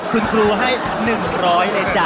คุณครูให้๑๐๐เลยจ้ะ